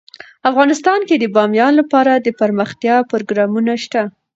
افغانستان کې د بامیان لپاره دپرمختیا پروګرامونه شته.